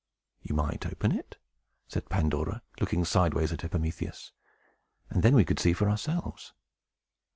"You might open it," said Pandora, looking sideways at Epimetheus, "and then we could see for ourselves."